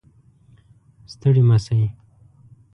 ستړي مه شئ